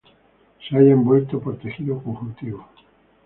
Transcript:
Se halla envuelta por tejido conjuntivo.